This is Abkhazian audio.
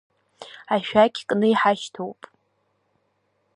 Ашәақь кны иҳашьҭоуп…